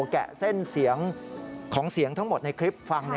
แกะเส้นเสียงของเสียงทั้งหมดในคลิปฟัง